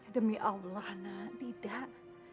demi allah nak tidak